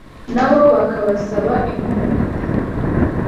nabo bakabasaba inkunga.